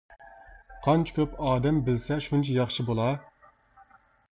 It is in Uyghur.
قانچە كۆپ ئادەم بىلسە شۇنچە ياخشى بولا.